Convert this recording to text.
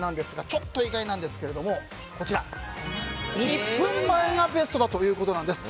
ちょっと意外なんですが１分前がベストだということなんです。